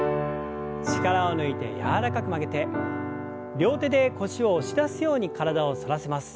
力を抜いて柔らかく曲げて両手で腰を押し出すように体を反らせます。